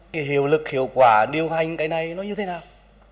cái hiệu lực hiệu quả điều hành cái này nó như thế nào